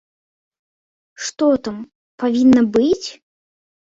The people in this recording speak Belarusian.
Што там павінна быць?